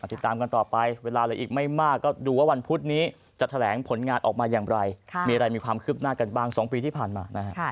ติดตามกันต่อไปเวลาเหลืออีกไม่มากก็ดูว่าวันพุธนี้จะแถลงผลงานออกมาอย่างไรมีอะไรมีความคืบหน้ากันบ้าง๒ปีที่ผ่านมานะฮะ